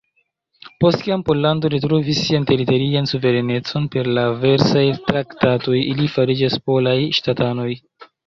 Post kiam Pollando retrovis sian teritorian suverenecon per la Versajlo-traktatoj, ili fariĝis polaj ŝtatanoj.